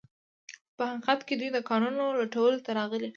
خو په حقیقت کې دوی د کانونو لوټولو ته راغلي